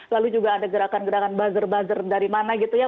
lalu juga ada gerakan gerakan buzzer buzzer dari mana gitu ya